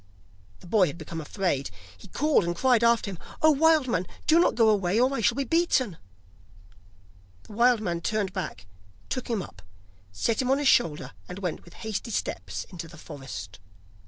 The boy had become afraid; he called and cried after him: 'Oh, wild man, do not go away, or I shall be beaten!' The wild man turned back, took him up, set him on his shoulder, and went with hasty steps into the forest.